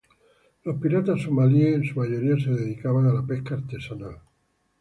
Los piratas somalíes, en su mayoría se dedicaban a la pesca artesanal.